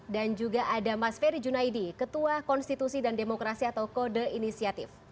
dan juga ada mas ferry junaidi ketua konstitusi dan demokrasi atau kode inisiatif